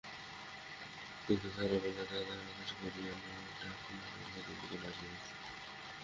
কিন্তু তাহা বলিয়া তাঁহাকে আদর করিয়া না ডাকিয়া আনিলে তিনি কেন আসিবেন?